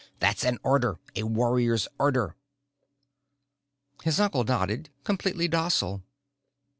That's an order a warrior's order!" His uncle nodded, completely docile.